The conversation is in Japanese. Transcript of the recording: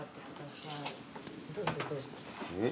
どうぞどうぞ。